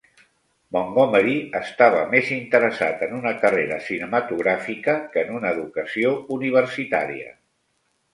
Montgomery estava més interessat en una carrera cinematogràfica que en una educació universitària.